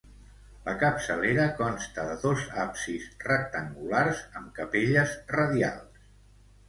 La capçalera consta de dos absis rectangulars, amb capelles radials.